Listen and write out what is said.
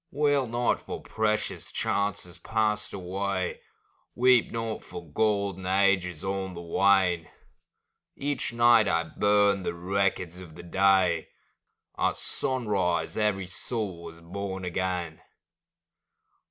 [ 27 ] Selected Poems Wail not for precious chances passed away, Weep not for golden ages on the wane ! Each night I burn the records of the day, — At sunrise every soul is born again